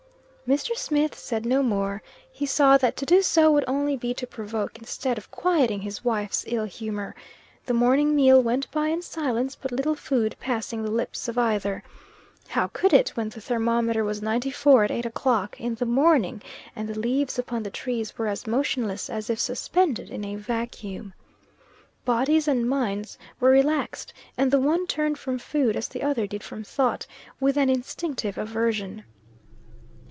Mr. Smith said no more. He saw that to do so would only be to provoke instead of quieting his wife's ill humor. The morning meal went by in silence, but little food passing the lips of either. How could it, when the thermometer was ninety four at eight o'clock in the morning, and the leaves upon the trees were as motionless as if suspended in a vacuum. Bodies and minds were relaxed and the one turned from food, as the other did from thought, with an instinctive aversion.